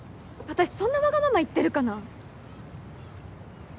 私そんなわがまま言ってるかな？